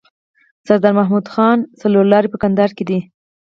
سرداد مدخان څلور لاری په کندهار ښار کي دی.